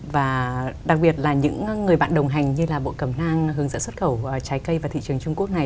và đặc biệt là những người bạn đồng hành như là bộ cẩm nang hướng dẫn xuất khẩu trái cây vào thị trường trung quốc này